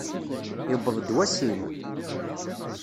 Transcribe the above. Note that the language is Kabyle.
Yewweḍ-d wass-im!